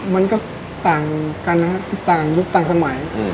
มันก็ต่างยุคต่างสมัย